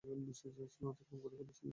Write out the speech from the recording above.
সীমা অতিক্রম করে ফেলেছিলেন।